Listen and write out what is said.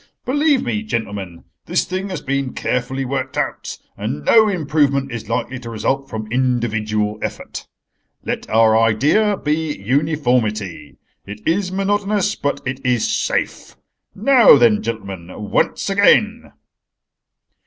"Believe me, gentlemen, this thing has been carefully worked out, and no improvement is likely to result from individual effort. Let our idea be uniformity. It is monotonous, but it is safe. Now, then, gentlemen, once again."